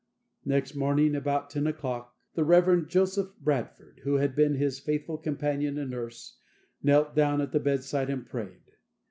Next morning, about ten o'clock, the Rev. Joseph Bradford, who had been his faithful companion and nurse, knelt down at the bedside and prayed.